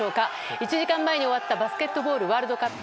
１時間前に終わったバスケットボールワールドカップ。